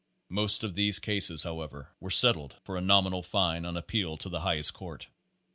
Most of these cases, however, were settled for a nominal fine on appeal to the higher court.